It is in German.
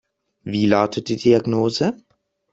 Wie lautet die Diagnose?